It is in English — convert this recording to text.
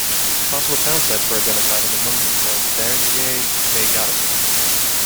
Possible town sites were identified and among them was Barangay Maygatasan.